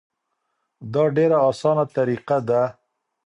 دا ډیره اسانه طریقه ده.